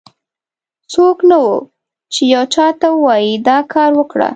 څوک نه و، چې یو چا ته ووایي دا کار وکړه.